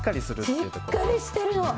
しっかりしてる！